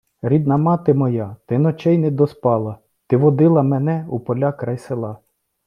Рідна мати моя, ти ночей не доспала, ти водила мене у поля край села